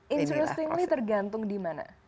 interestingly tergantung di mana